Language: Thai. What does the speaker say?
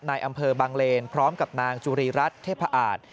นายอำเภอบางเลนพร้อมกับนางจุรีรัฐเทพอาท